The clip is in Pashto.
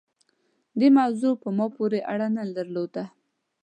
دې موضوع په ما پورې اړه نه درلوده.